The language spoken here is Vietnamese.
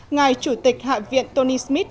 ngài chủ tịch hạ viện tony smith